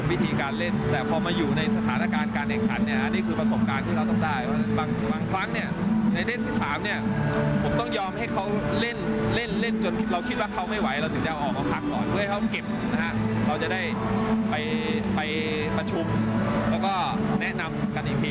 เพื่อให้เขาเก็บเราจะได้ไปประชุมแล้วก็แนะนำกันอีกที